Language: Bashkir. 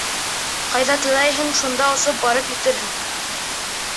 Ҡайҙа теләйһең, шунда осоп барып етерһең.